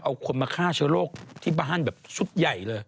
เอาคนมาฆ่าชะลวกใบบ้านแบบสุดใหญ่เลย